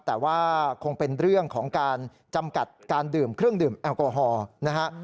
แต่ว่าคงเป็นเรื่องของการจำกัดการดื่มเครื่องดื่มแอลกอฮอล์นะฮะ